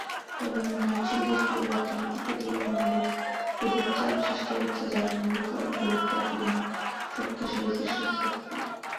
তবে, উন্নয়নশীল দেশগুলোর অর্থনীতিতে তুলনামূলক অধিক চাপ সৃষ্টি হচ্ছে যার মূল কারণ বৃহত্তর, কম শক্তিশালী কৃষিক্ষেত্র।